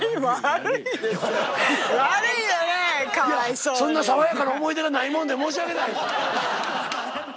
そんな爽やかな思い出がないもんで申し訳ない！